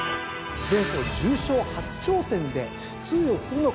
前走重賞初挑戦で通用するのか